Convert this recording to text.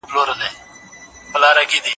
حسنیار